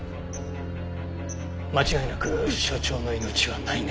間違いなく所長の命はないね。